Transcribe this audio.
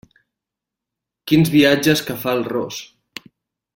Quins viatges que fa el ros!